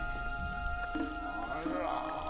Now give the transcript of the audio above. あら。